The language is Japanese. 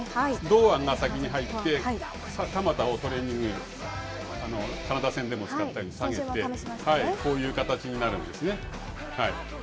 堂安が先に入って、鎌田をトレーニング、カナダ戦でも使ったように、下げて、こういう形になるんですね。